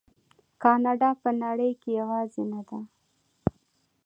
کاناډا په نړۍ کې یوازې نه ده.